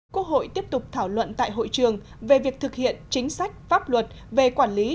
quốc hội tiếp tục thảo luận tại hội trường về việc thực hiện chính sách pháp luật về quản lý